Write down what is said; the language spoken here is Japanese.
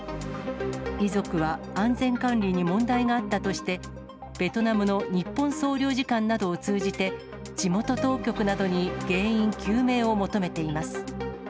遺族は安全管理に問題があったとして、ベトナムの日本総領事館などを通じて、地元当局などに原因究明を求めています。